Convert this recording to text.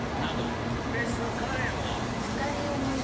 別室のカレンは？